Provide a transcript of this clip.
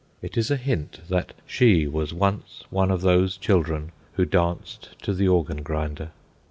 It is a hint that she was once one of those children who danced to the organ grinder.